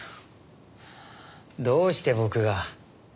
どうして僕が？